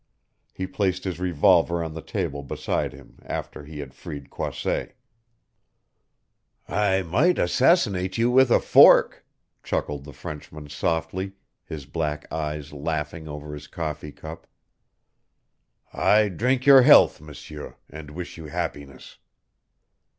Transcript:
He placed his revolver on the table beside him after he had freed Croisset. "I might assassinate you with a fork!" chuckled the Frenchman softly, his black eyes laughing over his coffee cup. "I drink your health, M'seur, and wish you happiness!"